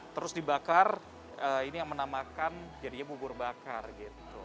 terus dibakar ini yang menamakan jadinya bubur bakar gitu